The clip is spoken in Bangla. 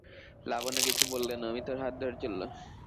লাবণ্য কিছু বললে না, অমিতর হাত ধরে চলল।